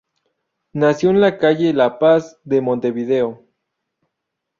Nació en la calle La Paz de Montevideo.